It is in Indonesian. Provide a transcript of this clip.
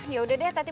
yaudah deh tati